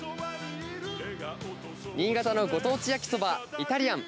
新潟のご当地焼きそば、イタリアン。